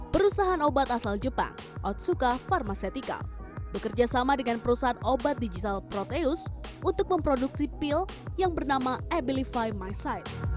perusahaan obat asal jepang otsuka pharmacetical bekerja sama dengan perusahaan obat digital proteus untuk memproduksi pil yang bernama abilify myside